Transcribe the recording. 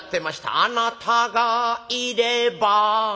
「あなたが入れ歯